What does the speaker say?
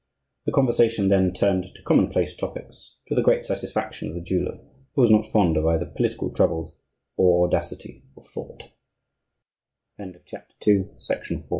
The conversation then turned to commonplace topics, to the great satisfaction of the jeweller, who was not fond of either political troubles or audacity of though